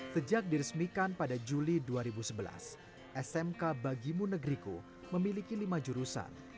sejak diresmikan pada juli dua ribu sebelas smk bagimu negriku memiliki lima jurusan